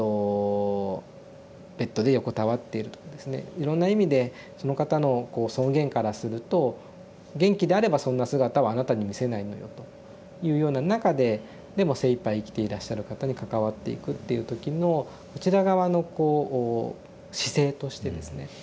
いろんな意味でその方のこう尊厳からすると「元気であればそんな姿はあなたに見せないのよ」というような中ででも精いっぱい生きていらっしゃる方に関わっていくっていう時のこちら側のこう姿勢としてですね